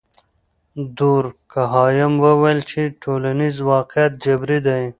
دورکهایم وویل چې ټولنیز واقعیت جبري دی.